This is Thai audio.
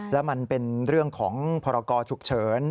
แล้วมันเป็นเรื่องของพรกรฉุกเฉิน